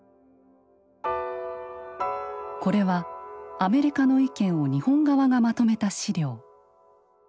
これはアメリカの意見を日本側がまとめた資料。